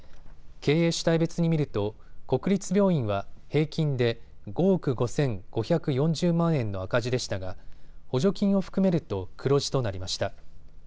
経営主体別に見ると国立病院は平均で５億５５４０万円の赤字でしたが補助金を含めると黒字となりました。